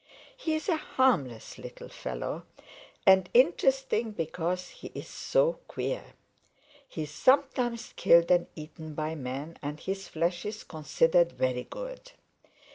He is a harmless little fellow and interesting because he is so queer. He is sometimes killed and eaten by man and his flesh is considered very good.